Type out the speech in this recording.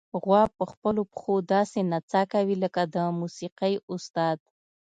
غوا په خپلو پښو داسې نڅا کوي لکه د موسیقۍ استاد.